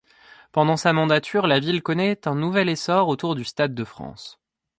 Pendant sa mandature, la ville connaît un nouvel essor autour du Stade de France.